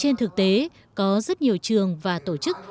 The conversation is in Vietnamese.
trên thực tế có rất nhiều trường và tổ chức